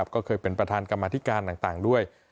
ก็เคยเป็นประธานกรรมธิการต่างด้วย